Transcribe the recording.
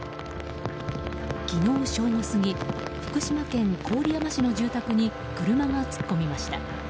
昨日正午過ぎ福島県郡山市の住宅に車が突っ込みました。